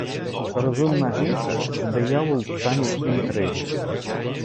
Розумна жінка - це диявол в стані інтриги